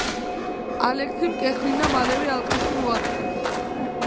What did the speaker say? ალექსიმ კეხრინა მალევე ალყაში მოაქცია.